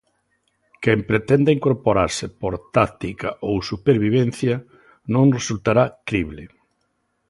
Quen pretenda incorporarse por táctica ou supervivencia, non resultará crible.